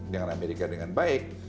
dengan amerika dengan baik